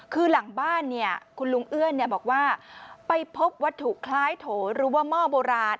คือหลังบ้านเนี่ยคุณลุงเอื้อนบอกว่าไปพบวัตถุคล้ายโถหรือว่าหม้อโบราณ